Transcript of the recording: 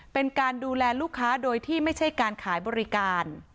เป็นการดูแลลูกค้าโดยที่ไม่ใช่การขายบริการ